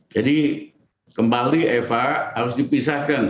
jadi kembali eva harus dipisahkan